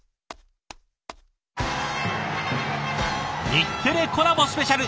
「日テレコラボスペシャル」